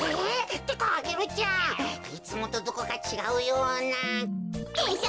ってかアゲルちゃんいつもとどこかちがうような。でしょ。